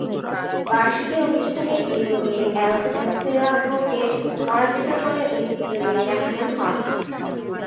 বার্ষিকী অনুষ্ঠানে ইবুশি এল দেস্পেরাদোকে পরাজিত করে উদ্বোধনী চ্যাম্পিয়ন হন।